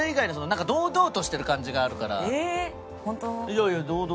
いやいや堂々。